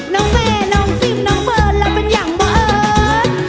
น้องเมน้องฟิฟน้องเบอร์แล้วเป็นอย่างบะเอิ้น